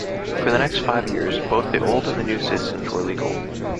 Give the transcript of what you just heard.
For the next five years, both the old and new systems were legal.